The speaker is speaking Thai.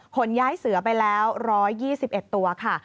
ขนย้ายเสือไปแล้ว๑๒๑ตัวค่ะ